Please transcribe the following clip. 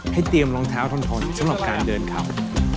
เตรียมรองเท้าทนสำหรับการเดินเขา